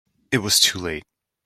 It was too late.